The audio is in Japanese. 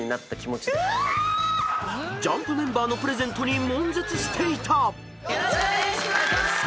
［ＪＵＭＰメンバーのプレゼントにもん絶していた］